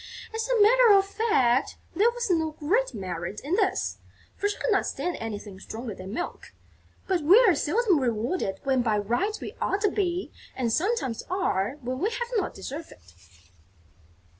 As a matter of fact, there was no great merit in this, for she could not stand anything stronger than milk; but we are seldom rewarded when by rights we ought to be and sometimes are when we have not deserved it.